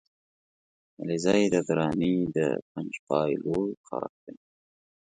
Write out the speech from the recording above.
علیزی د دراني د پنجپای لوی ښاخ دی